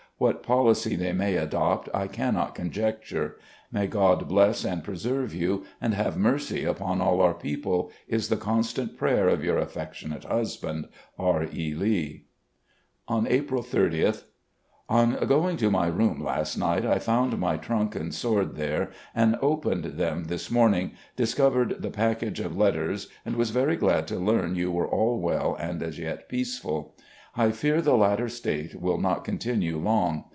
What policy they may adopt I cannot conjecture. May God bless and preserve you, and have mercy upon all our people, is the constant prayer of your affectionate husband, "R. E. Lee." On April 30th: " On going to my room last night I found my trunk and sword there, and opening them this morning discovered the package of letters and was very glad to learn you were all well and as yet peaceful. I fear the latter state will not continue long.